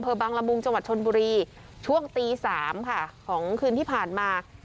บางละมุงจังหวัดชนบุรีช่วงตี๓ค่ะของคืนที่ผ่านมา